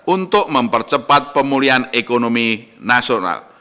untuk mempercepat pemulihan ekonomi nasional